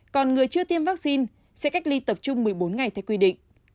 còn người chưa tiêm vaccine sẽ cách ly tập trung một mươi bốn ngày theo quy định